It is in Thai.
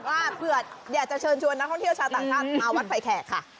ว่าเผื่ออยากจะเชิญชวนนักท่องเที่ยวชาวต่างชาติมาวัดไฟแขกค่ะ